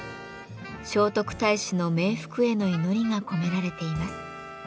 聖徳太子の冥福への祈りが込められています。